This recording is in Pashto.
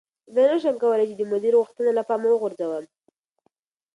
زه نشم کولی چې د مدیر غوښتنه له پامه وغورځوم.